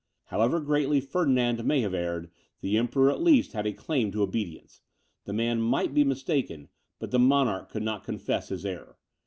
However greatly Ferdinand may have erred, the Emperor at least had a claim to obedience; the man might be mistaken, but the monarch could not confess his error.